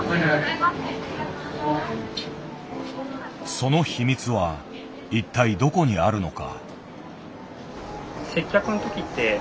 その秘密は一体どこにあるのか。